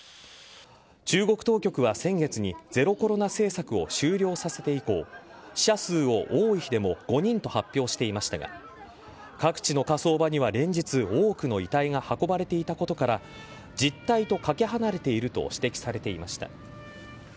中国当局は先月にゼロコロナ政策を終了させて以降死者数を、多い日でも５人と発表していましたが各地の火葬場には連日、多くの遺体が運ばれていたことから実態とかけ離れていると指摘されていました。